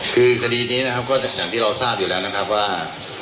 คือคดีนี้นะครับก็อย่างที่เราทราบอยู่แล้วนะครับว่า